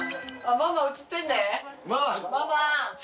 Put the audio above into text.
ママ！